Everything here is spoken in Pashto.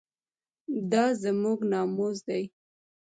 دا زموږ ناموس دی